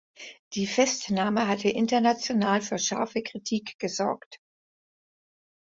Die Festnahme hatte international für scharfe Kritik gesorgt.